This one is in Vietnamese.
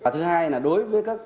thứ hai là đối với các